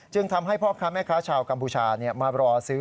ทำให้พ่อค้าแม่ค้าชาวกัมพูชามารอซื้อ